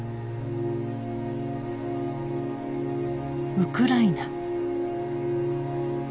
ウクライナ。